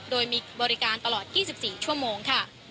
โดยมีบริการตลอด๒๔ชั่วโมงค่ะ